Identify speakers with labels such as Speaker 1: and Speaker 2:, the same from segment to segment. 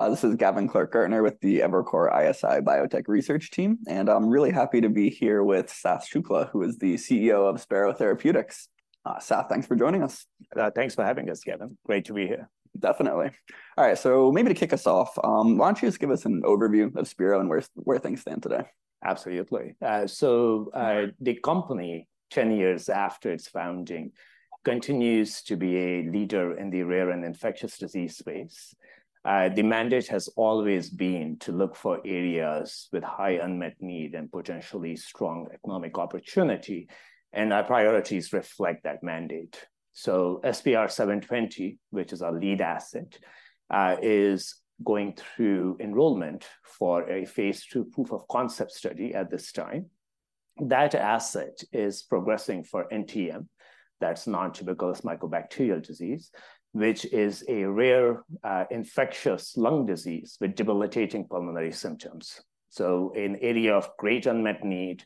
Speaker 1: This is Gavin Clark-Gartner with the Evercore ISI Biotech Research Team, and I'm really happy to be here with Sath Shukla, who is the CEO of Spero Therapeutics. Sath, thanks for joining us.
Speaker 2: Thanks for having us, Gavin. Great to be here.
Speaker 1: Definitely. All right, so maybe to kick us off, why don't you just give us an overview of Spero and where things stand today?
Speaker 2: Absolutely. So, the company, 10 years after its founding, continues to be a leader in the rare and infectious disease space. The mandate has always been to look for areas with high unmet need and potentially strong economic opportunity, and our priorities reflect that mandate. So SPR720, which is our lead asset, is going through enrollment for a phase 2 proof of concept study at this time. That asset is progressing for NTM, that's nontuberculous mycobacterial disease, which is a rare, infectious lung disease with debilitating pulmonary symptoms. So an area of great unmet need,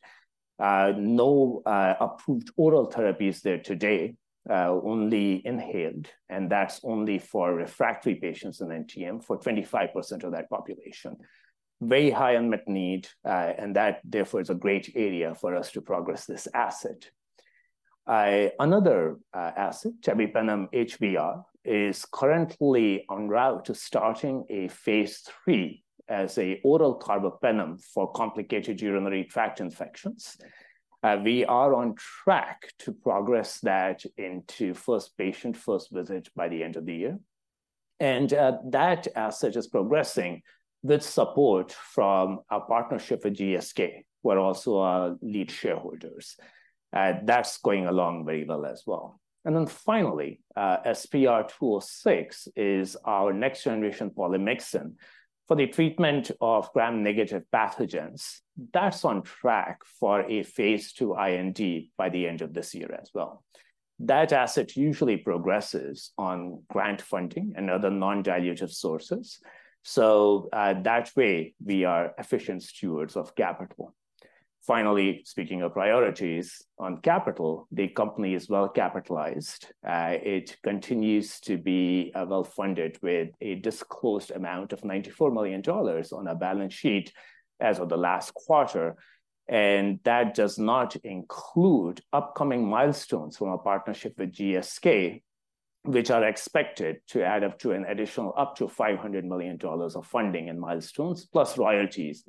Speaker 2: no approved oral therapies there today, only inhaled, and that's only for refractory patients in NTM, for 25% of that population. Very high unmet need, and that, therefore, is a great area for us to progress this asset. Another asset, tebipenem HBr, is currently en route to starting a phase 3 as an oral carbapenem for complicated urinary tract infections. We are on track to progress that into first patient, first visit by the end of the year. That asset is progressing with support from our partnership with GSK, who are also our lead shareholders. That's going along very well as well. Then finally, SPR206 is our next-generation polymyxin for the treatment of Gram-negative pathogens. That's on track for a phase II IND by the end of this year as well. That asset usually progresses on grant funding and other non-dilutive sources, so that way, we are efficient stewards of capital. Finally, speaking of priorities on capital, the company is well capitalized. It continues to be well-funded with a disclosed amount of $94 million on our balance sheet as of the last quarter, and that does not include upcoming milestones from our partnership with GSK, which are expected to add up to an additional up to $500 million of funding and milestones, plus royalties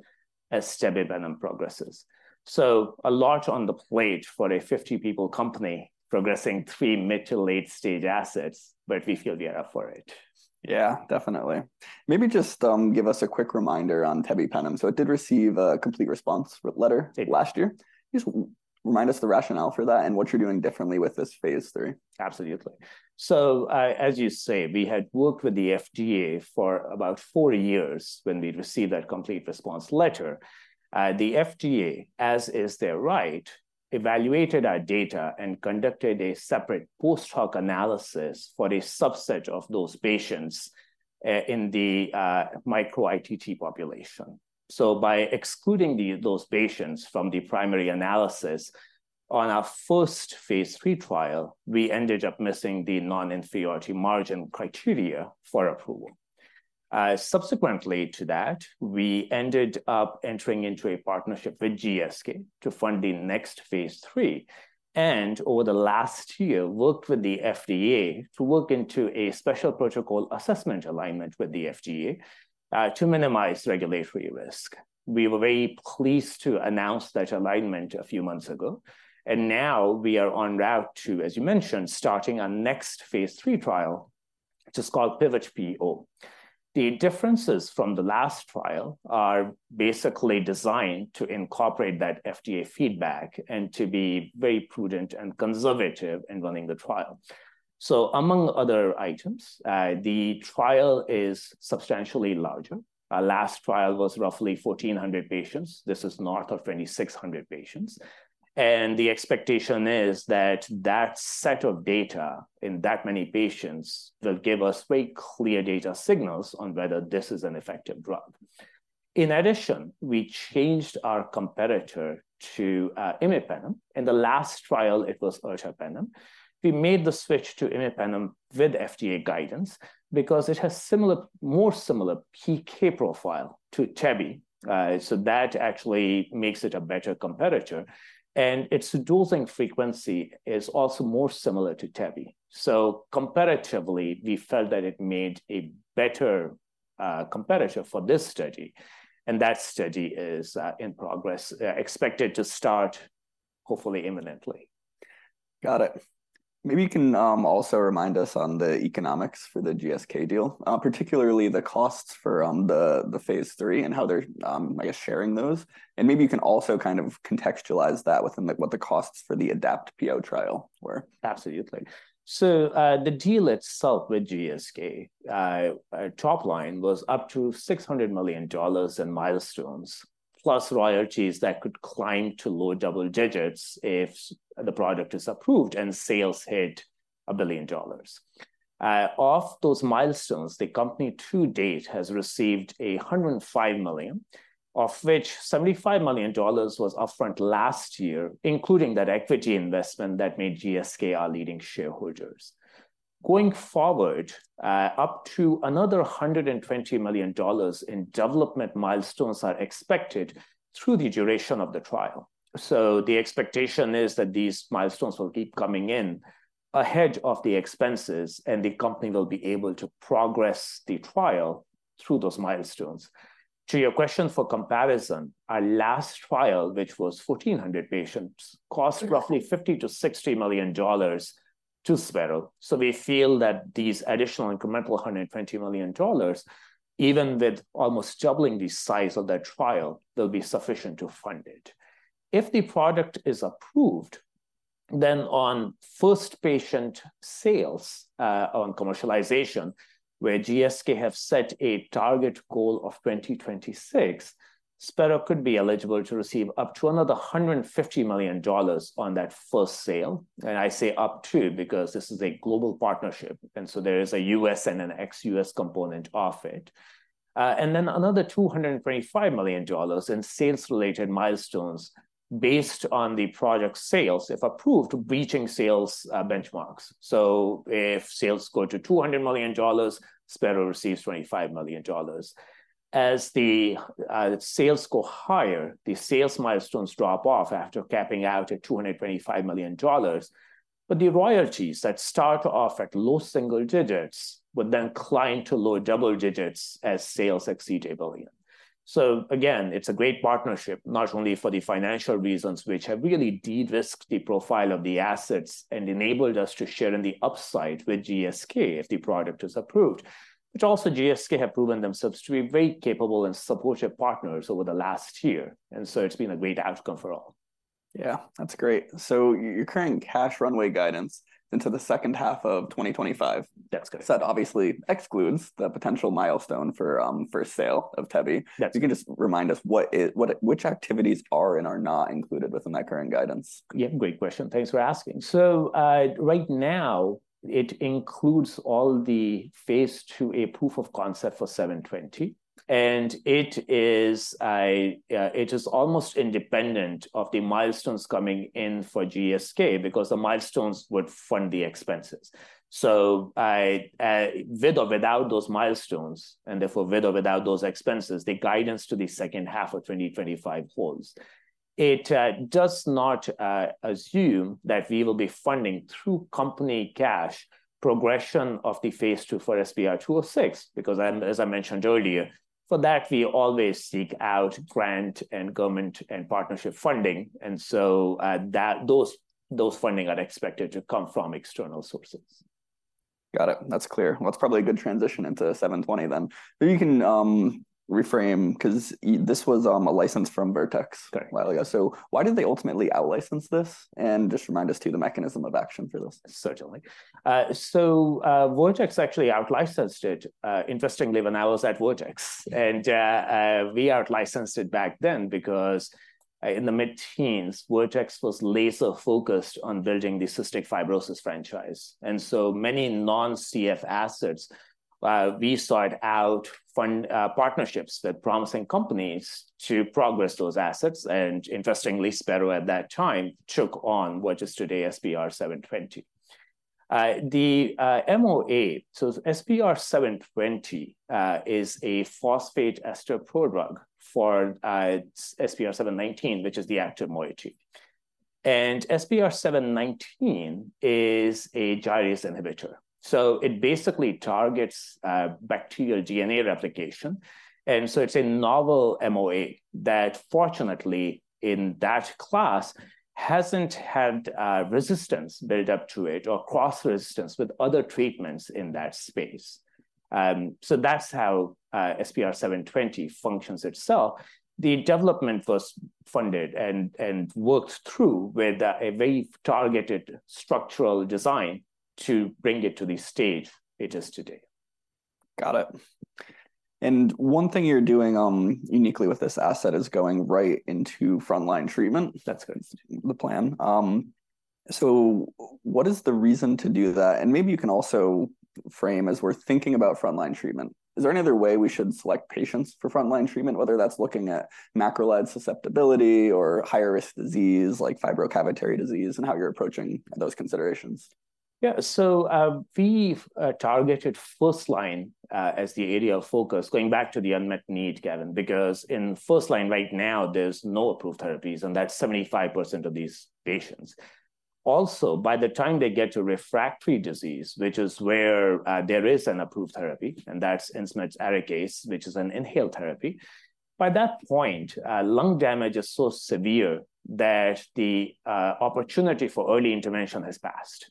Speaker 2: as tebipenem progresses. So a lot on the plate for a 50-person company progressing three mid- to late-stage assets, but we feel we are up for it.
Speaker 1: Yeah, definitely. Maybe just, give us a quick reminder on tebipenem. So it did receive a complete response letter.
Speaker 2: Yeah...
Speaker 1: last year. Just remind us the rationale for that and what you're doing differently with this phase 3.
Speaker 2: Absolutely. So, as you say, we had worked with the FDA for about four years when we received that complete response letter. The FDA, as is their right, evaluated our data and conducted a separate post hoc analysis for a subset of those patients in the micro-ITT population. So by excluding those patients from the primary analysis on our first Phase 3 trial, we ended up missing the non-inferiority margin criteria for approval. Subsequently to that, we ended up entering into a partnership with GSK to fund the next Phase III, and over the last year, worked with the FDA to work into a special protocol assessment alignment with the FDA to minimize regulatory risk. We were very pleased to announce that alignment a few months ago, and now we are en route to, as you mentioned, starting our next phase III trial, which is called PIVOT-PO. The differences from the last trial are basically designed to incorporate that FDA feedback and to be very prudent and conservative in running the trial. So among other items, the trial is substantially larger. Our last trial was roughly 1,400 patients. This is north of 2,600 patients, and the expectation is that that set of data in that many patients will give us very clear data signals on whether this is an effective drug. In addition, we changed our competitor to imipenem. In the last trial, it was ertapenem. We made the switch to imipenem with FDA guidance because it has similar- more similar PK profile to tebi. So that actually makes it a better competitor, and its dosing frequency is also more similar to tebi. So comparatively, we felt that it made a better competitor for this study, and that study is in progress, expected to start hopefully imminently.
Speaker 1: Got it. Maybe you can also remind us on the economics for the GSK deal, particularly the costs for the phase 3 and how they're I guess sharing those. And maybe you can also kind of contextualize that within, like, what the costs for the ADAPT-PO trial were.
Speaker 2: Absolutely. So, the deal itself with GSK, top line was up to $600 million in milestones, plus royalties that could climb to low double digits if the product is approved and sales hit $1 billion. Of those milestones, the company to date has received $105 million, of which $75 million was upfront last year, including that equity investment that made GSK our leading shareholders.... going forward, up to another $120 million in development milestones are expected through the duration of the trial. So the expectation is that these milestones will keep coming in ahead of the expenses, and the company will be able to progress the trial through those milestones. To your question for comparison, our last trial, which was 1,400 patients, cost roughly $50 million-$60 million to Spero. So we feel that these additional incremental $120 million, even with almost doubling the size of that trial, they'll be sufficient to fund it. If the product is approved, then on first patient sales, on commercialization, where GSK have set a target goal of 2026, Spero could be eligible to receive up to another $150 million on that first sale. And I say up to, because this is a global partnership, and so there is a U.S. and an ex-U.S. component of it. And then another $225 million in sales-related milestones based on the project's sales, if approved, reaching sales benchmarks. So if sales go to $200 million, Spero receives $25 million. As the sales go higher, the sales milestones drop off after capping out at $225 million. The royalties that start off at low single digits would then climb to low double digits as sales exceed $1 billion. So again, it's a great partnership, not only for the financial reasons, which have really de-risked the profile of the assets and enabled us to share in the upside with GSK if the product is approved. Also GSK have proven themselves to be very capable and supportive partners over the last year, and so it's been a great outcome for all.
Speaker 1: Yeah, that's great. So your current cash runway guidance into the second half of 2025-
Speaker 2: That's good.
Speaker 1: -that obviously excludes the potential milestone for first sale of tebi.
Speaker 2: Yeah.
Speaker 1: You can just remind us which activities are and are not included within that current guidance?
Speaker 2: Yeah, great question. Thanks for asking. So, right now, it includes all the phase 2a proof of concept for SPR720, and it is a, it is almost independent of the milestones coming in for GSK because the milestones would fund the expenses. So, I, with or without those milestones, and therefore, with or without those expenses, the guidance to the second half of 2025 holds. It, does not, assume that we will be funding through company cash progression of the phase 2 for SPR206, because then, as I mentioned earlier, for that, we always seek out grant and government and partnership funding, and so, that, those, those funding are expected to come from external sources.
Speaker 1: Got it. That's clear. Well, that's probably a good transition into 720 then. But you can reframe, 'cause this was a license from Vertex.
Speaker 2: Okay.
Speaker 1: while ago, so why did they ultimately out-license this? And just remind us of the mechanism of action for this.
Speaker 2: Certainly. So, Vertex actually out-licensed it, interestingly, when I was at Vertex. We out-licensed it back then because, in the mid-teens, Vertex was laser-focused on building the cystic fibrosis franchise. So many non-CF assets, we sought out funding partnerships with promising companies to progress those assets, and interestingly, Spero at that time took on what is today SPR720. The MOA, so SPR720 is a phosphate ester prodrug for SPR719, which is the active moiety. And SPR719 is a gyrase inhibitor. So it basically targets bacterial DNA replication. And so it's a novel MOA that fortunately, in that class, hasn't had resistance built up to it or cross-resistance with other treatments in that space. So that's how SPR720 functions itself. The development was funded and worked through with a very targeted structural design to bring it to the stage it is today.
Speaker 1: Got it. And one thing you're doing uniquely with this asset is going right into frontline treatment.
Speaker 2: That's good.
Speaker 1: The plan. So what is the reason to do that? And maybe you can also frame as we're thinking about frontline treatment, is there any other way we should select patients for frontline treatment, whether that's looking at macrolide susceptibility or higher risk disease, like fibrocavitary disease, and how you're approaching those considerations?
Speaker 2: Yeah. So, we targeted first line as the area of focus, going back to the unmet need, Gavin, because in first line right now, there's no approved therapies, and that's 75% of these patients. Also, by the time they get to refractory disease, which is where there is an approved therapy, and that's Insmed's ARIKAYCE, which is an inhaled therapy. By that point, lung damage is so severe that the opportunity for early intervention has passed.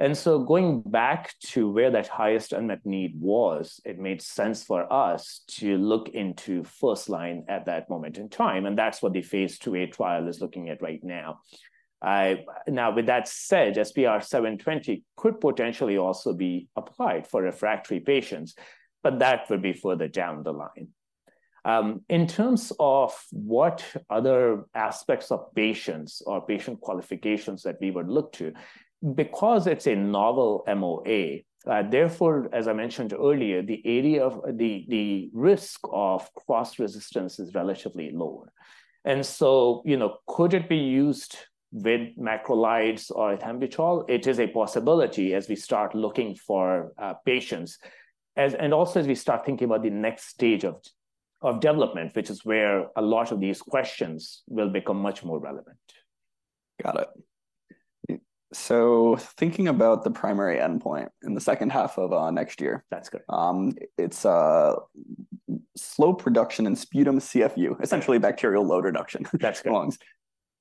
Speaker 2: And so going back to where that highest unmet need was, it made sense for us to look into first line at that moment in time, and that's what the phase 2a trial is looking at right now. Now, with that said, SPR720 could potentially also be applied for refractory patients, but that would be further down the line. In terms of what other aspects of patients or patient qualifications that we would look to, because it's a novel MOA, therefore, as I mentioned earlier, the area of the risk of cross-resistance is relatively lower. And so, you know, could it be used with macrolides or azithromycin? It is a possibility as we start looking for patients, and also as we start thinking about the next stage of development, which is where a lot of these questions will become much more relevant.
Speaker 1: Got it. So thinking about the primary endpoint in the second half of next year-
Speaker 2: That's good.
Speaker 1: It's slope reduction in sputum CFU, essentially a bacterial load reduction-
Speaker 2: That's good.
Speaker 1: in the lungs.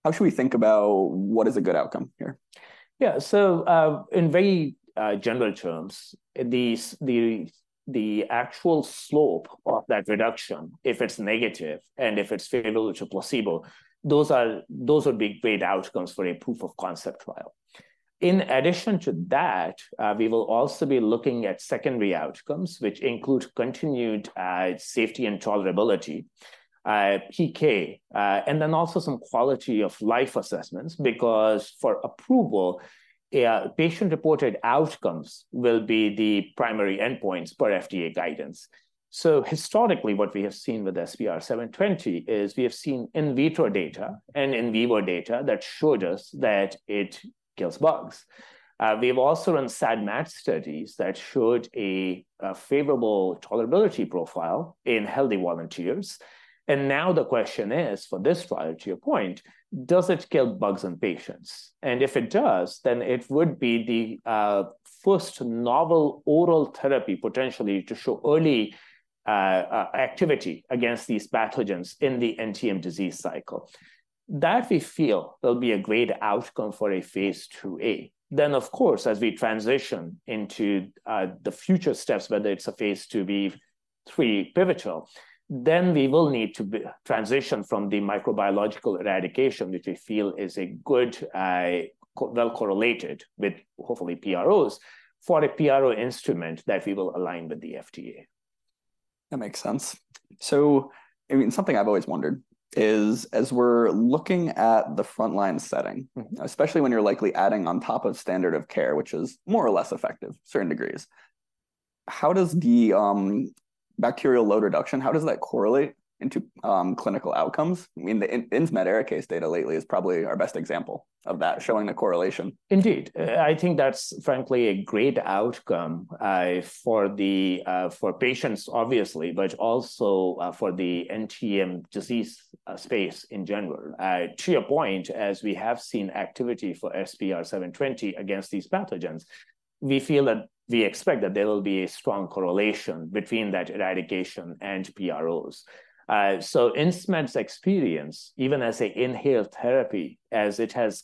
Speaker 1: How should we think about what is a good outcome here?
Speaker 2: Yeah. So, in very general terms, the actual slope of that reduction, if it's negative and if it's favorable to placebo, those are big paid outcomes for a proof of concept trial. In addition to that, we will also be looking at secondary outcomes, which include continued safety and tolerability, PK, and then also some quality of life assessments, because for approval, patient-reported outcomes will be the primary endpoints per FDA guidance. So historically, what we have seen with SPR720 is we have seen in vitro data and in vivo data that showed us that it kills bugs. We have also run SAD/MAD studies that showed a favorable tolerability profile in healthy volunteers. And now the question is, for this trial, to your point, does it kill bugs in patients? And if it does, then it would be the first novel oral therapy potentially to show early activity against these pathogens in the NTM disease cycle. That we feel will be a great outcome for a phase 2a. Then, of course, as we transition into the future steps, whether it's a phase 2b, three pivotal, then we will need to transition from the microbiological eradication, which we feel is a good well correlated with hopefully PROs, for a PRO instrument that we will align with the FDA.
Speaker 1: That makes sense. So, I mean, something I've always wondered is, as we're looking at the frontline setting-
Speaker 2: Mm-hmm...
Speaker 1: especially when you're likely adding on top of standard of care, which is more or less effective to certain degrees, how does the bacterial load reduction, how does that correlate into clinical outcomes? I mean, the Insmed case data lately is probably our best example of that, showing the correlation.
Speaker 2: Indeed. I think that's frankly a great outcome for the for patients, obviously, but also, for the NTM disease space in general. To your point, as we have seen activity for SPR720 against these pathogens, we feel that we expect that there will be a strong correlation between that eradication and PROs. So Insmed's experience, even as an inhaled therapy, as it has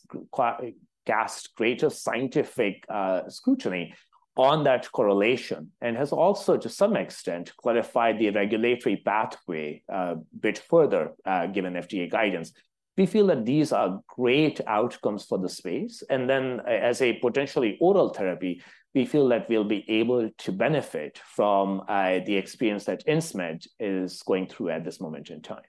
Speaker 2: cast greater scientific scrutiny on that correlation and has also, to some extent, clarified the regulatory pathway bit further, given FDA guidance. We feel that these are great outcomes for the space, and then as a potentially oral therapy, we feel that we'll be able to benefit from the experience that Insmed is going through at this moment in time.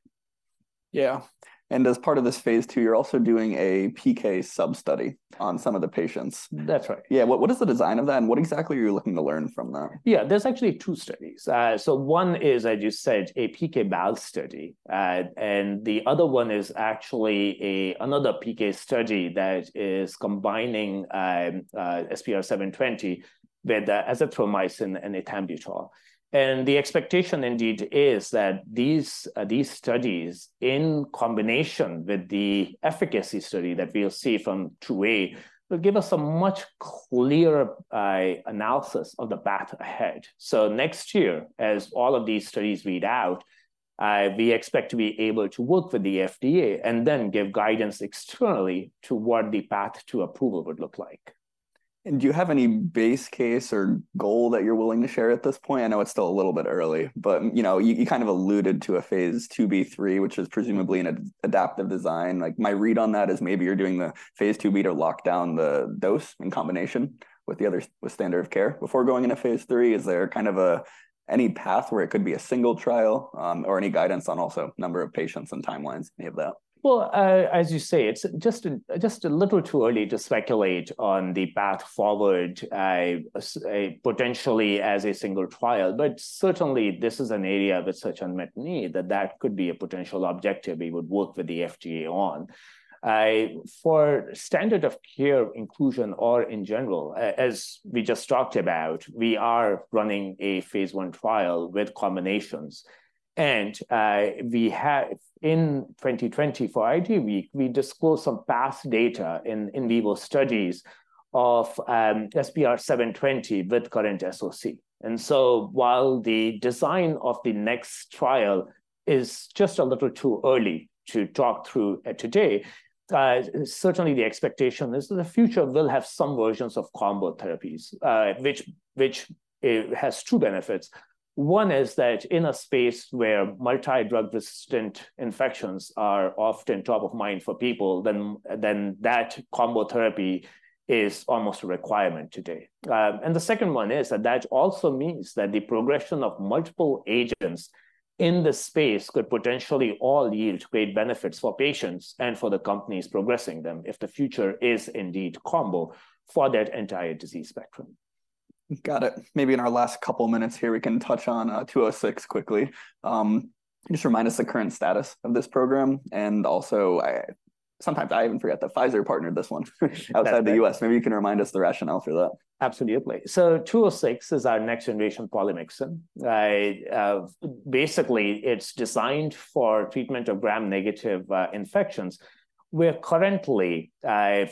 Speaker 1: Yeah. As part of this phase II, you're also doing a PK sub-study on some of the patients.
Speaker 2: That's right.
Speaker 1: Yeah. What, what is the design of that, and what exactly are you looking to learn from that?
Speaker 2: Yeah, there's actually two studies. So one is, as you said, a PK/PD study. And the other one is actually a, another PK study that is combining, SPR720 with azithromycin and ethambutol. And the expectation, indeed, is that these, these studies, in combination with the efficacy study that we'll see from 2a, will give us a much clearer, analysis of the path ahead. So next year, as all of these studies read out, we expect to be able to work with the FDA and then give guidance externally to what the path to approval would look like.
Speaker 1: Do you have any base case or goal that you're willing to share at this point? I know it's still a little bit early, but, you know, you kind of alluded to a phase 2b/3, which is presumably an adaptive design. Like, my read on that is maybe you're doing the phase 2b to lock down the dose in combination with the other... with standard of care before going into phase 3. Is there kind of a, any path where it could be a single trial, or any guidance on also number of patients and timelines, any of that?
Speaker 2: Well, as you say, it's just a little too early to speculate on the path forward, potentially as a single trial, but certainly, this is an area of such unmet need that could be a potential objective we would work with the FDA on. For standard of care inclusion or in general, as we just talked about, we are running a phase I trial with combinations. And, we have in 2020, for IDWeek, we disclosed some past data in vivo studies of SPR720 with current SOC. And so while the design of the next trial is just a little too early to talk through today, certainly the expectation is that the future will have some versions of combo therapies, which has two benefits. One is that in a space where multi-drug-resistant infections are often top of mind for people, then that combo therapy is almost a requirement today. And the second one is that that also means that the progression of multiple agents in the space could potentially all yield great benefits for patients and for the companies progressing them, if the future is indeed combo for that entire disease spectrum.
Speaker 1: Got it. Maybe in our last couple minutes here, we can touch on 206 quickly. Just remind us the current status of this program, and also sometimes I even forget that Pfizer partnered this one-
Speaker 2: That's right.
Speaker 1: -outside the U.S. Maybe you can remind us the rationale for that.
Speaker 2: Absolutely. So SPR206 is our next-generation polymyxin. Basically, it's designed for treatment of Gram-negative infections, where currently,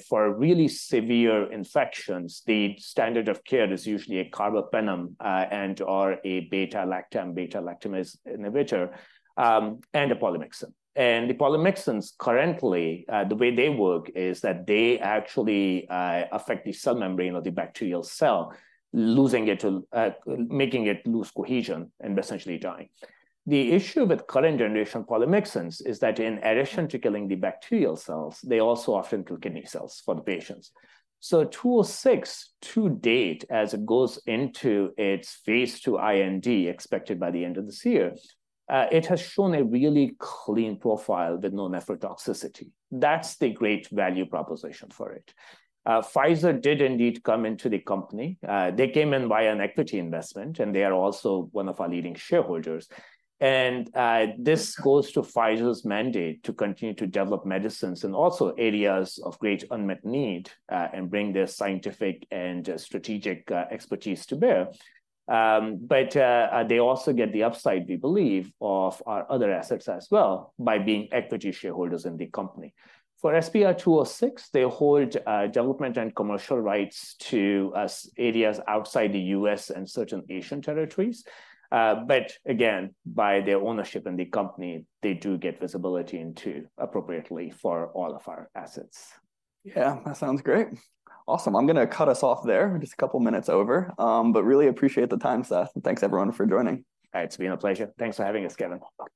Speaker 2: for really severe infections, the standard of care is usually a carbapenem and/or a beta-lactam beta-lactamase inhibitor, and a polymyxin. The polymyxins currently, the way they work is that they actually affect the cell membrane of the bacterial cell, losing it to making it lose cohesion and essentially dying. The issue with current-generation polymyxins is that in addition to killing the bacterial cells, they also often kill kidney cells for the patients. So SPR206, to date, as it goes into its Phase II IND, expected by the end of this year, it has shown a really clean profile with no nephrotoxicity. That's the great value proposition for it. Pfizer did indeed come into the company. They came in via an equity investment, and they are also one of our leading shareholders. This goes to Pfizer's mandate to continue to develop medicines in also areas of great unmet need, and bring their scientific and strategic expertise to bear. But they also get the upside, we believe, of our other assets as well by being equity shareholders in the company. For SPR206, they hold development and commercial rights to areas outside the U.S. and certain Asian territories. But again, by their ownership in the company, they do get visibility into appropriately for all of our assets.
Speaker 1: Yeah, that sounds great. Awesome. I'm gonna cut us off there. We're just a couple of minutes over, but really appreciate the time, Sath, and thanks, everyone, for joining.
Speaker 2: It's been a pleasure. Thanks for having us, Gevin. Bye.